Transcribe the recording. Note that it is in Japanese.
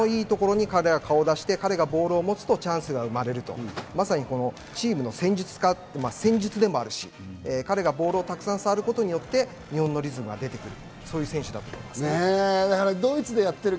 必ずいいところに顔を出して、彼がボールを持つとチャンスが生まれる、まさにチームの戦術家、戦術でもあるし、彼がボールをたくさん触ることで日本のリズムが出てくる。